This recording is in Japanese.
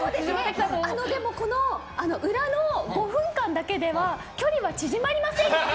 でも、この裏の５分間だけでは距離は縮まりません。